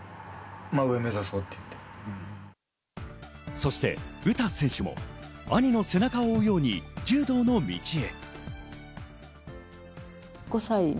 そして詩選手も兄の背中を追うように柔道の道へ。